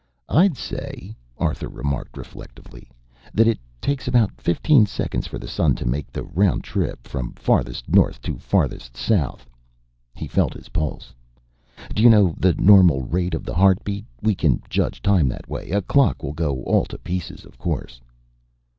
"I'd say," Arthur remarked reflectively, "that it takes about fifteen seconds for the sun to make the round trip from farthest north to farthest south." He felt his pulse. "Do you know the normal rate of the heart beat? We can judge time that way. A clock will go all to pieces, of course."